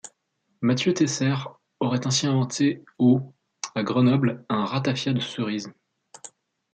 Matthieu Teisseyre aurait ainsi inventé, au à Grenoble, un ratafia de cerise.